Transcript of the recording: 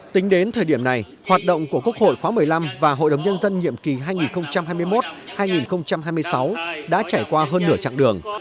tính đến thời điểm này hoạt động của quốc hội khóa một mươi năm và hội đồng nhân dân nhiệm kỳ hai nghìn hai mươi một hai nghìn hai mươi sáu đã trải qua hơn nửa chặng đường